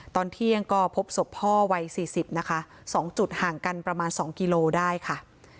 ตอนเที่ยงก็พบศพพ่อวัย๔๐นะคะ๒จุดห่างกันประมาณ๒กิโลได้ค่ะ